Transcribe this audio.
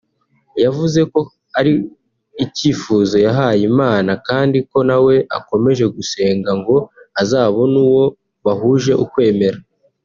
yavuze ko ari icyifuzo yahaye Imana kandi ko nawe akomeje gusenga ngo azabone uwo bahuje ukwemera